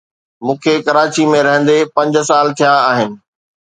مون کي ڪراچي ۾ رھندي پنج سال ٿيا آھن.